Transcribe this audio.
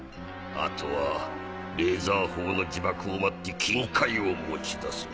あとはレーザー砲の自爆を待って金塊を持ち出せば。